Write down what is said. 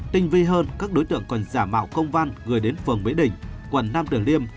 tinh vi hơn các đối tượng còn giả mạo công văn gửi đến phường mỹ đình quận nam tử liêm